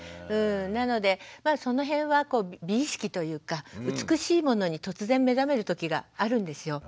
なのでその辺は美意識というか美しいものに突然目覚める時があるんですよ。